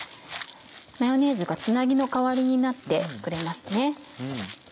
マヨネーズがつなぎの代わりになってくれます。